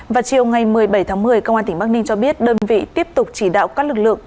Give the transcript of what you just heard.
vào chiều ngày một mươi bảy tháng một mươi công an tỉnh bắc ninh cho biết đơn vị tiếp tục chỉ đạo các lực lượng